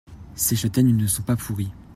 Ces châtaignes ne sont pas pourries.